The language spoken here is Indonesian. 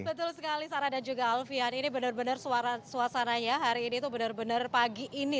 betul sekali sarah dan juga alfian ini benar benar suasananya hari ini tuh benar benar pagi ini